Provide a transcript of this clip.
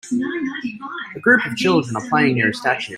A group of children are playing near a statue.